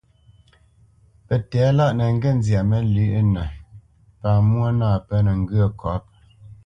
Pətɛ̌lâʼ nə ŋgê zyā məlywəʼnə pa mwô nâ pə́nə ŋgyə̌ kɔ̌p.